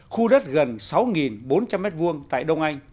khu đất gần sáu bốn trăm linh m hai tại đông anh